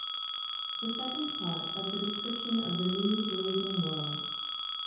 The Second Part of the Description of the New Blazing World.